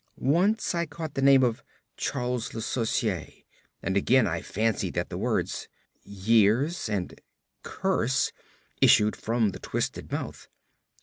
Once I caught the name of Charles Le Sorcier, and again I fancied that the words "years" and "curse" issued from the twisted mouth.